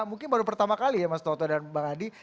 mungkin baru pertama kali ya mas toto dan bang adi